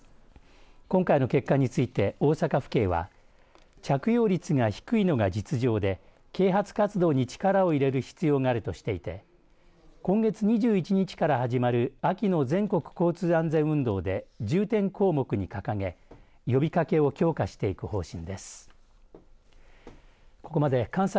今回の結果について大阪府警は着用率が低いのが実情で啓発活動に力を入れる必要があるとしていて今月２１日から始まる秋の全国交通安全運動で重点項目に掲げ呼びかけを強化していく方針です。